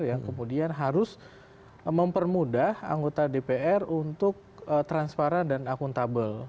yang kemudian harus mempermudah anggota dpr untuk transparan dan akuntabel